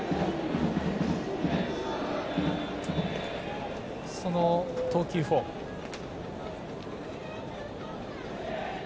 山下の投球フォームです。